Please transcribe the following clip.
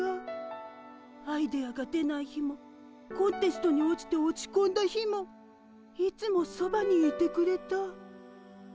アイデアが出ない日もコンテストに落ちて落ちこんだ日もいつもそばにいてくれた。